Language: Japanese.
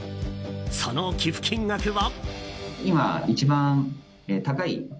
その寄付金額は。